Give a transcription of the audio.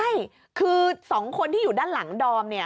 ใช่คือ๒คนที่อยู่ด้านหลังดอมเนี่ย